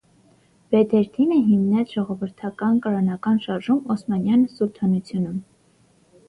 Բեդերդինը հիմնեց ժողովրդական կրոնական շարժում օսմանյան սուլթանությունում։